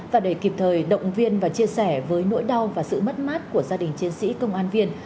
và để kịp thời động viên và chia sẻ với nỗi đau và sự mất mát của gia đình chiến sĩ công an viên